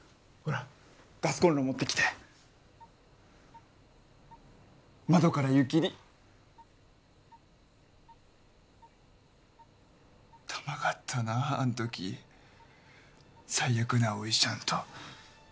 ほらガスコンロ持ってきて窓から湯切りたまがったなああん時最悪なおいしゃんと